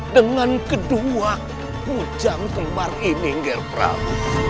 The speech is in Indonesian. dengan kedua hujan kemar ini ngerpram